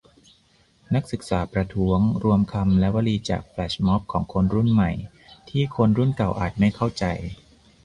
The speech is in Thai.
นักศึกษาประท้วง : รวมคำและวลีจากแฟลชม็อบของคนรุ่นใหม่ที่คนรุ่นเก่าอาจไม่เข้าใจ